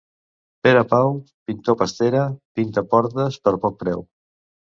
Pere Pau, pintor pastera, pinta portes per poc preu.